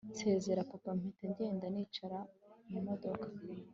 nsezera papa mpita ngenda nicara mumodoka